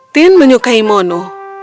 tin menyukai monu